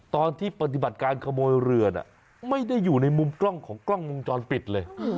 ตอนที่ปฏิบัติการขโมยเรือไม่ได้อยู่ในมุมกล้องของกล้องวงจรปิดเลย